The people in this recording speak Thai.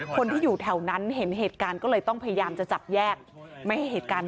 คนที่อยู่แถวนั้นเห็นเหตุการณ์ก็เลยต้องพยายามจะจับแยก